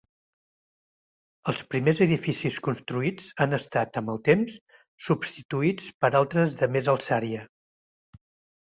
Els primers edificis construïts han estat, amb el temps, substituïts per altres de més alçària.